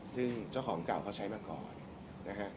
ซึ่งเจ้าของเก่าเขาใช้มาก่อนนะฮะ